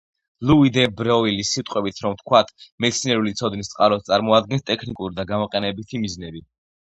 ლუი დე ბროილის სიტყვებით რომ ვთქვათ: „მეცნიერული ცოდნის წყაროს წარმოადგენს ტექნიკური და გამოყენებითი მიზნები“.